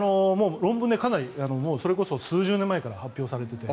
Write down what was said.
論文で、かなりそれこそ数十年前から発表されていて。